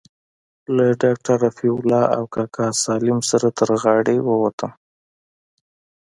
له ډاکتر رفيع الله او کاکا سالم سره تر غاړې ووتم.